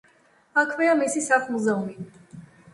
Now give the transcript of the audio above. აქვეა მისი სახლ-მუზეუმი.